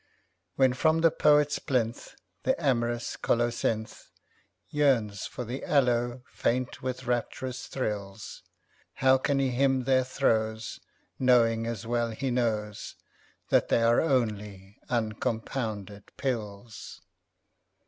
When from the poet's plinth The amorous colocynth Yearns for the aloe, faint with rapturous thrills, How can he hymn their throes Knowing, as well he knows, That they are only uncompounded pills?